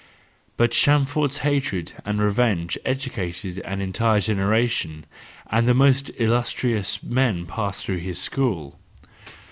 But Chamfort's hatred and revenge educated an entire generation ; and the most illustrious men passed through his school.